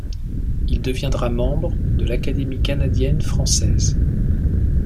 Il deviendra membre de l'Académie canadienne-française.